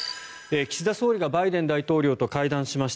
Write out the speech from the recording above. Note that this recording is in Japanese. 岸田総理がバイデン大統領と会談しました。